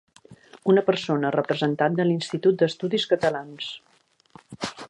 Una persona representant de l'Institut d'Estudis Catalans.